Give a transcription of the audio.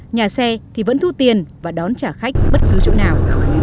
nhà xe thì vẫn thu tiền và đón trả khách bất cứ chỗ nào